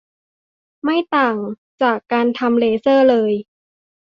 ไม่ต่างจากการทำเลเซอร์เลย